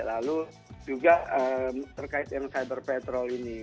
lalu juga terkait yang cyber petrol ini